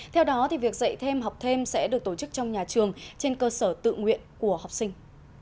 theo đó việc dạy thêm học thêm sẽ được tổ chức trong nhà trường trên cơ sở tự nguyện của học sinh